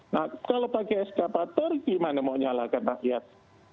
nah kalau pakai eskapator gimana mau menyalakan rakyat